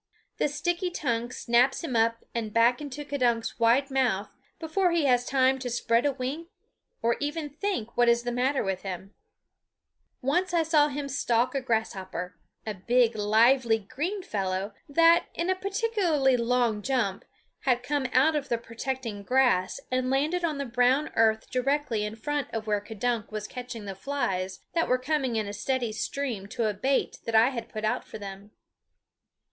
The sticky tongue snaps him up and back into K'dunk's wide mouth before he has time to spread a wing or even to think what is the matter with him. [Illustration: "The soft tongue struck one of his trailing legs"] Once I saw him stalk a grasshopper, a big lively green fellow that, in a particularly long jump, had come out of the protecting grass and landed on the brown earth directly in front of where K'dunk was catching the flies that were coming in a steady stream to a bait that I had put out for them.